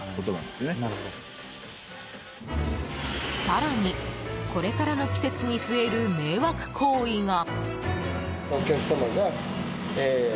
更に、これからの季節に増える迷惑行為が。